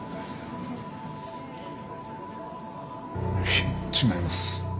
いえ違います。